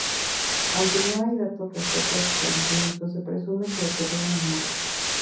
Aunque no hay datos respecto a su fallecimiento, se presume que ocurrió en Murcia.